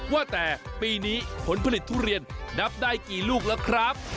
ว่าแต่ปีนี้ผลผลิตทุเรียนนับได้กี่ลูกแล้วครับ